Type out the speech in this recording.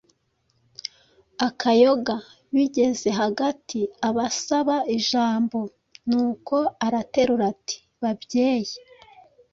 akayoga, bigeze hagati abasaba ijambo. Nuko araterura ati: “Babyeyi